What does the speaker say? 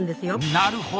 なるほど。